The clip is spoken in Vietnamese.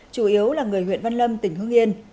chủ yếu là người huyện văn lâm tỉnh hương yên